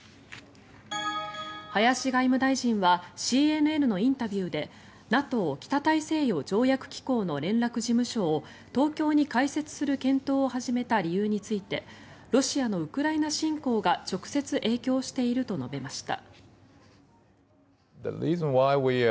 林外務大臣はＣＮＮのインタビューでＮＡＴＯ・北大西洋条約機構の連絡事務所を東京に開設する検討を始めた理由についてロシアのウクライナ侵攻が直接影響していると述べました。